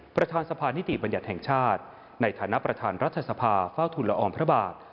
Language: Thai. ประธานสภานิติบัญญัติแห่งชาติในฐานะประธานรัฐสภาเฝ้าทุนละอองพระบาท